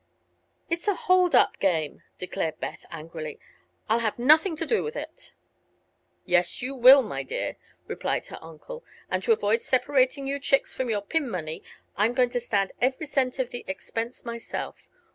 "It's a hold up game," declared Beth, angrily. "I'll have nothing to do with it." "Yes, you will, my dear," replied her uncle; "and to avoid separating you chicks from your pin money I'm going to stand every cent of the expense myself.